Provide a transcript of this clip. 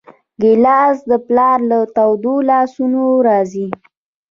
ګیلاس د پلار له تودو لاسونو راځي.